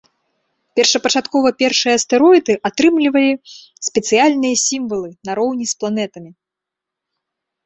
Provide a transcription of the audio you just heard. Першапачаткова першыя астэроіды атрымлівалі спецыяльныя сімвалы нароўні з планетамі.